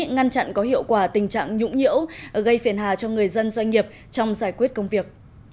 ngăn chặn có hiệu quả tình trạng nhũng nhiễu gây phiền hà cho người dân doanh nghiệp trong giải quyết công việc